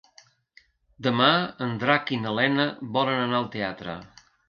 Demà en Drac i na Lena volen anar al teatre.